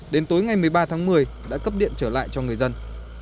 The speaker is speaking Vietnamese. đến tối ngày một mươi ba tháng một mươi đã cấp điện trở lại cho người dân